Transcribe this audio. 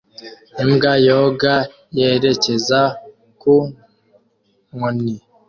Imbwa yoga yerekeza ku nkoni